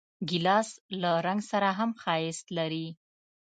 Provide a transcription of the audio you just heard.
ګیلاس له رنګ سره هم ښایست لري.